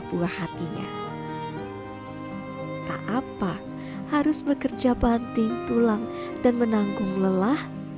buah hatinya tak apa harus bekerja banting tulang dan menanggung lelah